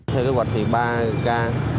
theo kế hoạch thì ba ca